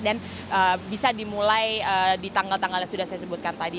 dan bisa dimulai di tanggal tanggal yang sudah saya sebutkan tadi